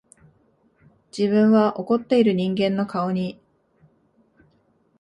自分は怒っている人間の顔に、